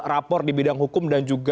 rapor di bidang hukum dan juga